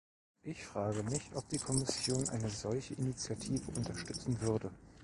Ich frage mich, ob die Kommission eine solche Initiative unterstützen würde.